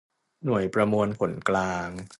หน่วยประมวลผลกลาง